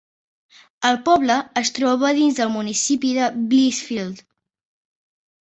El poble es troba dins del municipi de Blissfield.